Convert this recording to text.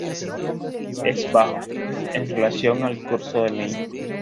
Es "bajo" en relación al curso del Nilo.